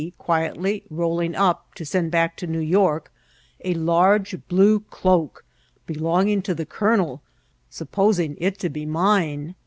quietly rolling up, to send back to New York, a large blue cloak belonging to the colonel, sup posing it to be mine.